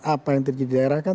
apa yang terjadi di daerah kan